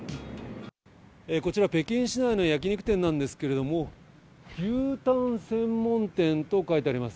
こちら、北京市内の焼き肉店なんですけども、牛舌専門店と書いてあります。